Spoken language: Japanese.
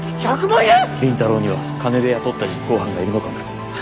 倫太郎には金で雇った実行犯がいるのかも。